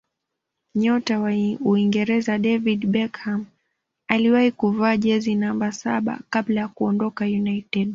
nyota wa uingereza david beckham aliwahi kuvaa jezi namba saba kabla ya kuondoka united